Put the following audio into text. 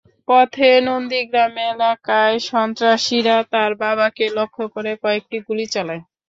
পথে নন্দীগ্রাম এলাকায় সন্ত্রাসীরা তাঁর বাবাকে লক্ষ্য করে কয়েকটি গুলি চালায়।